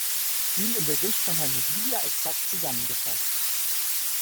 Sie sind im Bericht von Herrn Nobilia exakt zusammengefasst.